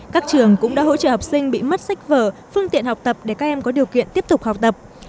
các trường cũng đã hỗ trợ học sinh bị mất sách vở phương tiện học tập để các em có điều kiện tiếp tục học tập